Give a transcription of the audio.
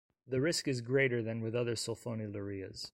The risk is greater than with other sulfonylureas.